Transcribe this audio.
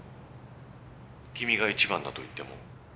君が一番だと言っても？